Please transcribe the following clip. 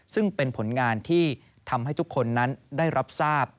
ซึ่งเป็นผลงานที่ทำให้ทุกคนนั้นได้รับทราบ